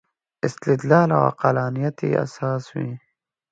استدلال او عقلانیت یې اساس وي.